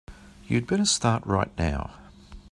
You'd better start right now.